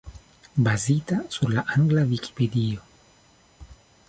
Bazita sur la angla Vikipedio.